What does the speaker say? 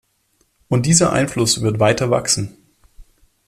Und dieser Einfluss wird weiter wachsen.